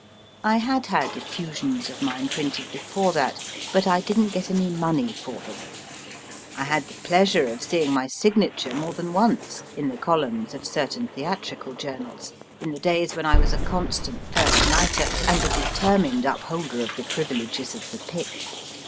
I had had effusions of mine printed before that, but I didn t get any money for them. I had the plea MR. SIMS S LITTLE DAWG sure of seeing my signature more than once in the columns of certain theatrical journals, in the days when I was a constant first nighter, and a deter mined upholder of the privileges of the pit.